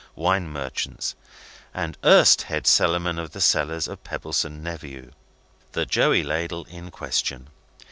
Wine Merchants, and erst Head Cellarman of the cellars of Pebbleson Nephew. The Joey Ladle in question.